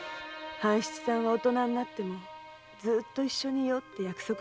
半七さんは「大人になってもずっと一緒に居よう」って約束してくれました。